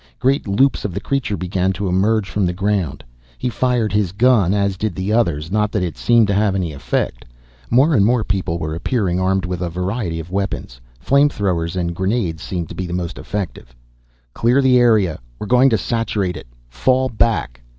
Great loops of the creature began to emerge from the ground. He fired his gun, as did the others. Not that it seemed to have any effect. More and more people were appearing, armed with a variety of weapons. Flame throwers and grenades seemed to be the most effective. "_Clear the area ... we're going to saturate it. Fall back.